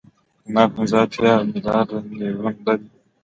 دماغ پنځه اتیا ملیارده نیورون لري.